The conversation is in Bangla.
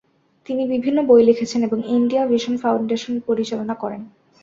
তিনি বিভিন্ন বই লিখেছেন এবং ইন্ডিয়া ভিশন ফাউন্ডেশন পরিচালনা করেন।